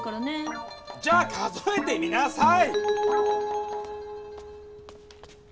じゃあ数えてみなさい！